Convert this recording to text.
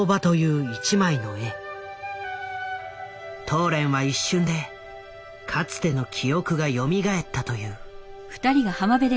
トーレンは一瞬でかつての記憶がよみがえったという。